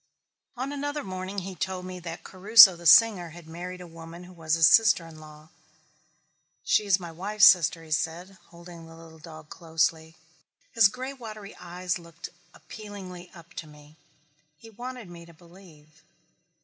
On another morning he told me that Caruso the singer had married a woman who was his sister in law. "She is my wife's sister," he said, holding the little dog closely. His gray watery eyes looked appealingly up to me. He wanted me to believe.